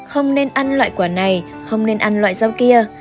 không nên ăn loại quả này không nên ăn loại rau kia